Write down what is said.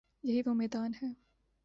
یہی وہ میدان ہے۔